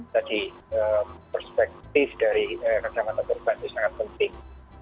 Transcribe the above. jadi perspektif dari kacamata korban itu sangat penting